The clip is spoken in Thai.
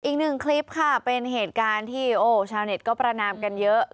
อีกหนึ่งคลิปค่ะเป็นเหตุการณ์ที่โอ้ชาวเน็ตก็ประนามกันเยอะ